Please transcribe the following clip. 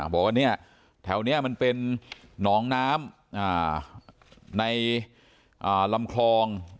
บอกว่าเนี่ยแถวนี้มันเป็นหนองน้ำในลำคลอง